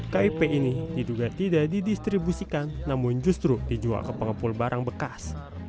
kip ini diduga tidak didistribusikan namun justru dijual ke pengepul barang bekas